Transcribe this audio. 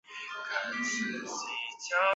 布尼欧人口变化图示